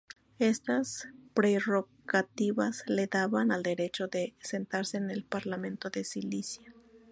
Estas prerrogativas le daban el derecho de sentarse en el parlamento de Sicilia.